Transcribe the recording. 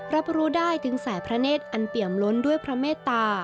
รับรู้ได้ถึงสายพระเนธอันเปี่ยมล้นด้วยพระเมตตา